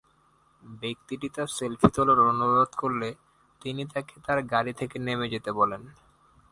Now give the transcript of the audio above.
ব্যক্তিটি তার সাথে সেলফি তোলার অনুরোধ করলে তিনি তাকে তার গাড়ি থেকে নেমে যেতে বলেন।